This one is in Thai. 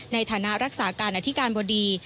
ในฐานะรักษาการอธิการบดี